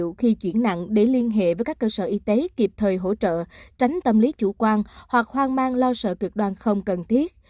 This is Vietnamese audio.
nếu khi chuyển nặng để liên hệ với các cơ sở y tế kịp thời hỗ trợ tránh tâm lý chủ quan hoặc hoang mang lo sợ cực đoan không cần thiết